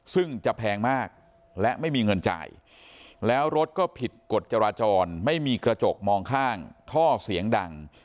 ซึ่งจะแพงมากและไม่มีเงินจ่ายแล้วรถก็ผิดกฎจราจรไม่มีกระจกมองข้างท่อเสียงดัง